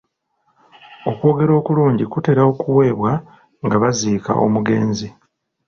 Okwogera okulungi kutera okuweebwa nga baziika omugezi.